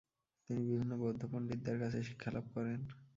তিনি বিভিন্ন বৌদ্ধ পন্ডিতদের কাছে শিক্ষালাভ করেন।